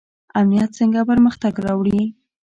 امنیت څنګه پرمختګ راوړي؟